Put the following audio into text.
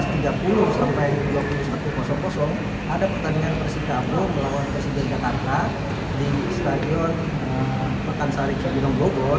sembilan belas tiga puluh sampai dua puluh satu ada pertandingan persikabo melawan persikir jakarta di stadion pakansari cibinong bogor